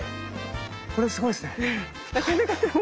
これすごいっすね。